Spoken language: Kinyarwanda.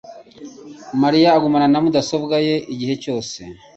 Mariya agumana na mudasobwa ye igihe cyose